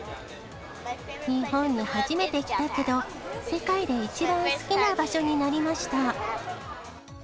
日本に初めて来たけど、世界で一番好きな場所になりました。